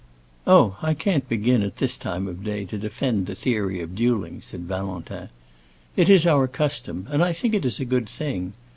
"Oh, I can't begin, at this time of day, to defend the theory of dueling," said Valentin. "It is our custom, and I think it is a good thing.